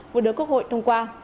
vừa đưa quốc hội thông qua